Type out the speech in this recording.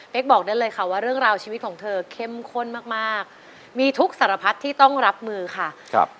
บอกได้เลยค่ะว่าเรื่องราวชีวิตของเธอเข้มข้นมากมากมีทุกสารพัดที่ต้องรับมือค่ะครับ